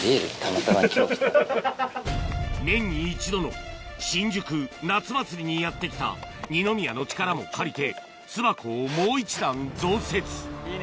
年に一度の新宿夏祭りにやって来た二宮の力も借りて巣箱をもう１段増設いいね！